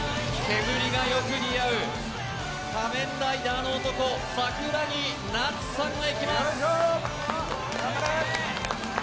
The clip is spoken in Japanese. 煙がよく似合う仮面ライダーの男、桜木那智さんがいきます。